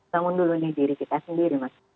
bangun dulu diri kita sendiri